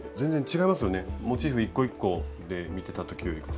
モチーフ一個一個で見てた時よりか。